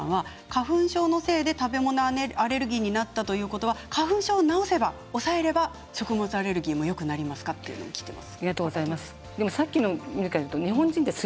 花粉症のせいで食べ物アレルギーになったということは花粉症を治せば押さえれば食物アレルギーもよくなりますか？ときています。